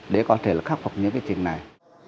để có thể là khắc phục những cái chuyện này